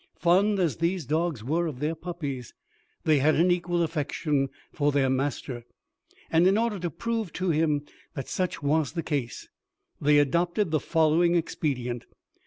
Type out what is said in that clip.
Fond as these dogs were of their puppies, they had an equal affection for their master, and in order to prove to him that such was the case, they adopted the following expedient.